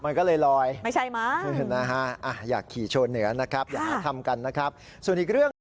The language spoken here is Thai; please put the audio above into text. มันก็เลยลอยไม่ใช่ม้าอยากขี่โชว์เหนือนะครับอย่าหาทำกันนะครับส่วนอีกเรื่อง